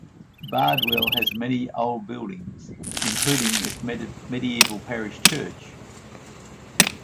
Bardwell has many old buildings including its medieval parish church.